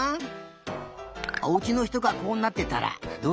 おうちのひとがこうなってたらどうする？